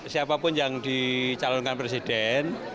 siapapun yang dicalonkan presiden